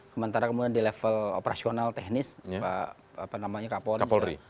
kemudian di level operasional teknis kapolri